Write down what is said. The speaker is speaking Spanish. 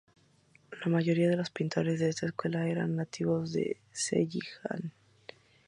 La mayoría de los pintores de esta escuela eran nativos de Zhejiang.